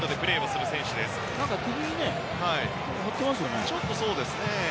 そうですね。